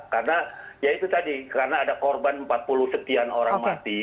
karena ya itu tadi karena ada korban empat puluh sekian orang mati